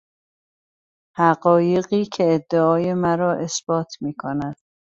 حقایقی که ادعای مرا اثبات میکند